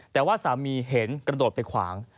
แต่ว่าสามีเห็นกระโดดไปขวาง